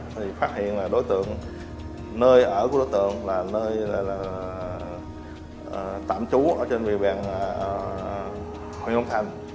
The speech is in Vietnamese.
thì phát hiện là đối tượng nơi ở của đối tượng là nơi tạm trú ở trên địa bàn huyện long thành